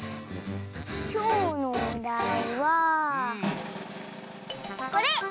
きょうのおだいはこれ！